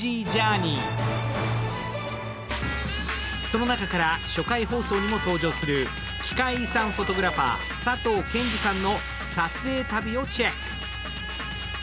その中から初回放送にも登場する奇界遺産フォトグラファー、佐藤健寿さんの撮影旅をチェック。